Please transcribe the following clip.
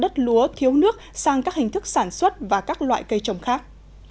đất lúa thiếu nước sang các hình thức sản xuất và các loại cây trồng khác